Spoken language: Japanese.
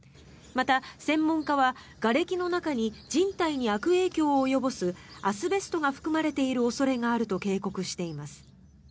また専門家は、がれきの中に人体に悪影響を及ぼすアスベストが含まれている恐れがあると警告しています。